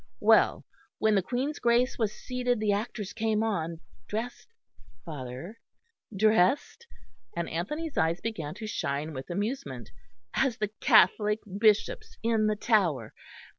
Well, when the Queen's Grace was seated, the actors came on, dressed, father, dressed" and Anthony's eyes began to shine with amusement "as the Catholic Bishops in the Tower.